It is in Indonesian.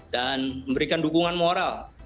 dan memberikan dukungan moral